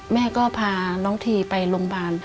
แม่ก็พาน้องทีไปโรงพยาบาล